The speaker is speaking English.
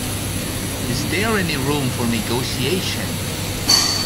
Is there any room for negotiation?